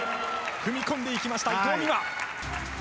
踏み込んでいきました伊藤美誠。